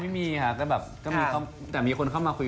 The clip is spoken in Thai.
ไม่มีค่ะแต่มีคนเข้ามาคุย